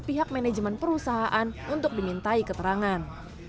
pihak manajemen perusahaan untuk dimintai keterangan